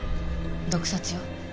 毒殺よ。